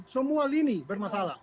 semua lini bermasalah